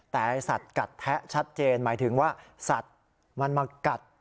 แต่สัตว์กัดแทะชัดเจนหมายถึงว่าสัตว์มันมากัด